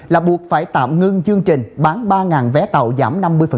là buộc phải tạm ngưng chương trình bán ba vé tàu giảm năm mươi